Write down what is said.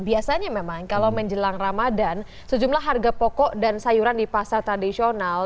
biasanya memang kalau menjelang ramadan sejumlah harga pokok dan sayuran di pasar tradisional